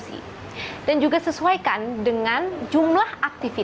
tapi harus sesuaikan gelas bugi kita